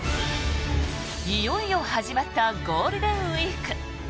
いよいよ始まったゴールデンウィーク。